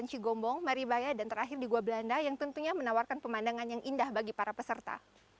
cigombong maribaya dan terakhir di gua belanda yang tentunya menawarkan pemandangan yang indah bagi para peserta